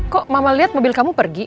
kok mama lihat mobil kamu pergi